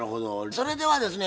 それではですね